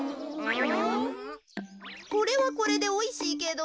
これはこれでおいしいけど。